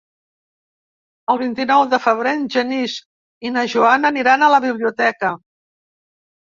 El vint-i-nou de febrer en Genís i na Joana aniran a la biblioteca.